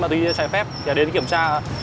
anh gọi anh em lên xuống chưa